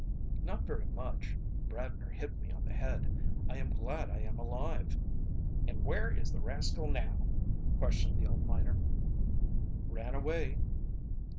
"Not very much. Bradner hit me on the head. I am glad I am alive." "And where is the rascal now?" questioned the old miner. "Ran away."